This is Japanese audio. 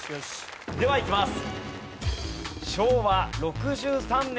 ではいきます。